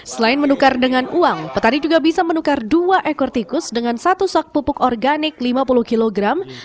selain menukar dengan uang petani juga bisa menukar dua ekor tikus dengan satu sak pupuk organik lima puluh kilogram